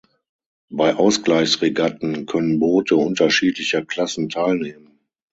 Bei Ausgleichs-Regatten können Boote unterschiedlicher Klassen teilnehmen.